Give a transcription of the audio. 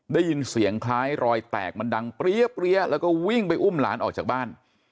ได้ยินเสียงคล้ายรอยแตกมันดังเปรี้ยแล้วก็วิ่งไปอุ้มหลานออกจากบ้าน